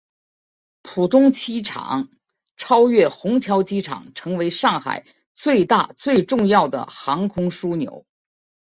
浦东机场超越虹桥机场成为上海最大最重要的航空枢纽。